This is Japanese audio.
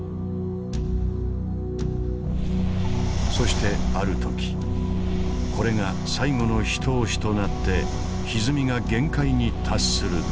そしてある時これが最後の一押しとなってひずみが限界に達すると。